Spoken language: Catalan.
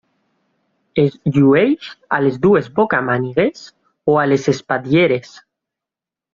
Es llueix a les dues bocamànigues o a les espatlleres.